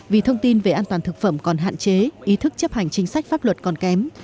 vì thông tin về an toàn thực phẩm còn hạn chế ý thức chấp hành chính sách pháp luật còn kém